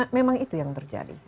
memang itu yang terjadi